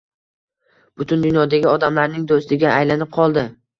Butun dunyodagi odamlarning do’stiga aylanib qoldi